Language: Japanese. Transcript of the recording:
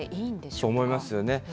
そう思いますよね。